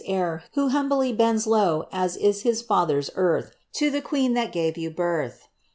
heir, who humbly bends Low B3 is his falher'9 emih, To the queen that gove vou birth.